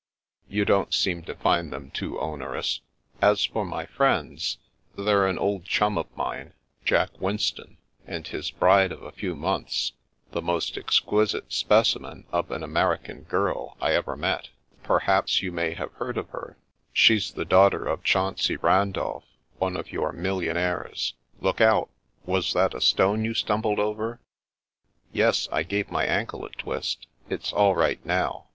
" You don't seem to find them too onerous. As for my friends — they're an old chum of mine, Jack Win ston, and his bride of a few months, the most exqui site specimen of an American girl I ever met. Per haps you may have heard of her. She's the daugh ter of Chauncey Randolph, one of your millionaires. Look out ! Was that a stone you stumbled over ?"" Yes. I gave my ankle a twist. It's all right now.